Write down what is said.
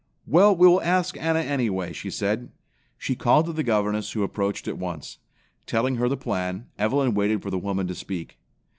"Well, we will ask Anna, anyway," she said. She called to the governess, who approached at once. Telling her the plan, Evelyn waited for the woman to speak.